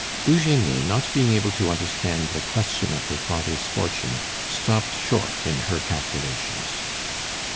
Eugenie, not being able to understand the question of her father's fortune, stopped short in her calculations.